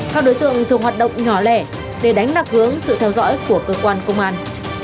các đối tượng thường hoạt động nhỏ lẻ để đánh lạc hướng sự theo dõi của cơ quan công an